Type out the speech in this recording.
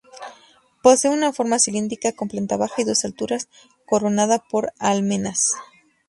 Posee una forma cilíndrica con planta baja y dos alturas, coronada por almenas.